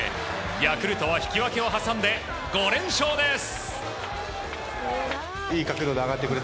ヤクルトは引き分けを挟んで５連勝です。